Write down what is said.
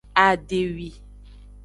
Adewi.